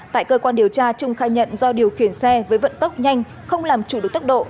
tại cơ quan điều tra trung khai nhận do điều khiển xe với vận tốc nhanh không làm chủ được tốc độ